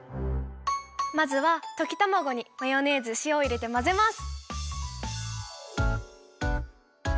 まずはときたまごにマヨネーズしおをいれてまぜます！